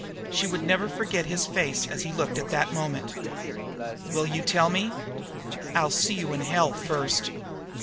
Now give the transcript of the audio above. She would never forget his face as he looked that moment. "Will you tell me?" "I'll see you in hell first."